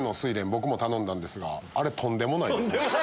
僕も頼んだんですがあれとんでもないです。